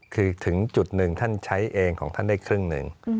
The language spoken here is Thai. คือถึงจุดหนึ่งท่านใช้เองของท่านได้ครึ่งหนึ่ง